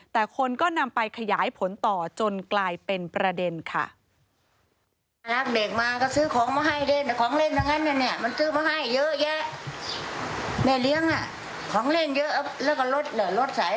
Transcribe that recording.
แต่คนก็นำไปขยายผลต่อจนกลายเป็นประเด็นค่ะ